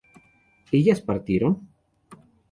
¿ellas partieron?